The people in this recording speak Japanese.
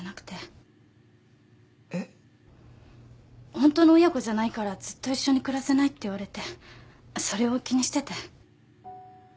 ホントの親子じゃないからずっと一緒に暮らせないって言われてそれを気にしてて。